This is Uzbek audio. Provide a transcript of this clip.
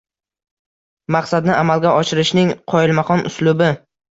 Maqsadni amalga oshirishning qoyilmaqom uslubi